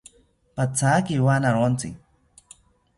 Pathaki wanawontzi